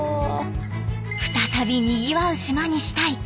再びにぎわう島にしたい。